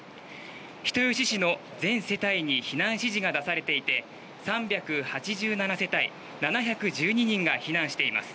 人吉市の全世帯に避難指示が出されていて３８７世帯７１２人が避難しています。